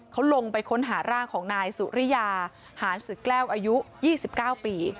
เขาลงไปค้นหาร่างของนายสุริยาหารือแก้วอายุ๒๙ปี